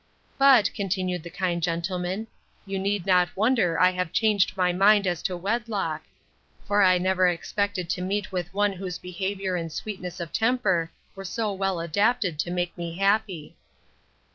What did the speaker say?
But, continued the kind gentleman, you need not wonder I have changed my mind as to wedlock; for I never expected to meet with one whose behaviour and sweetness of temper were so well adapted to make me happy.